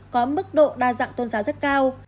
có mức độ đa dạng tôn giáo rất cao